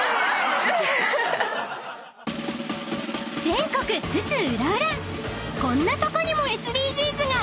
［全国津々浦々こんなとこにもＳＤＧｓが］